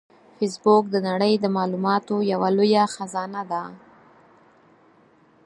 فېسبوک د نړۍ د معلوماتو یوه لویه خزانه ده